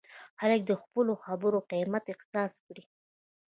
خلک دې د خپلو خبرو قیمت احساس کړي.